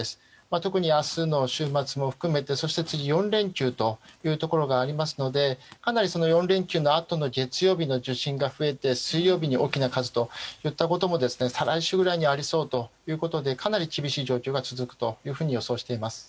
特に明日の週末も含めてそして次、４連休がありますのでかなり４連休のあとの月曜日の受診が増えて水曜日に大きな数といったことも再来週ぐらいにはありそうということでかなり厳しい状況が続くと予想しています。